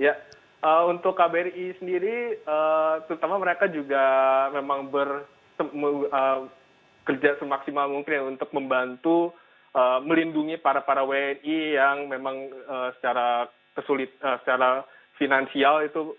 ya untuk kbri sendiri terutama mereka juga memang bekerja semaksimal mungkin untuk membantu melindungi para para wni yang memang secara finansial itu